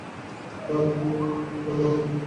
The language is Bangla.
বাবা, কি বলবো?